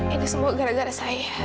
ini semua gara gara saya